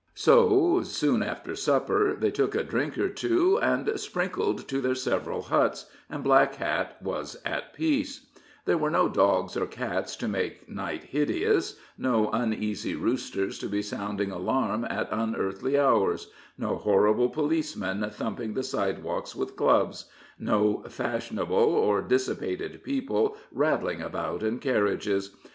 So, soon after supper they took a drink or two, and sprinkled to their several huts, and Black Hat was at peace, There were no dogs or cats to make night hideous no uneasy roosters to be sounding alarm at unearthly hours no horrible policemen thumping the sidewalks with clubs no fashionable or dissipated people rattling about in carriages.